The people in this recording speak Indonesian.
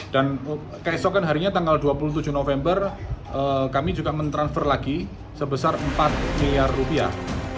dan keesokan harinya tanggal dua puluh tujuh november kami juga mentransfer lagi sebesar empat miliar rupiah